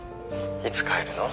いつ帰るの？